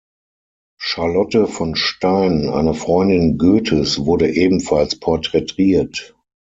Charlotte von Stein eine Freundin Goethes wurde ebenfalls porträtiert.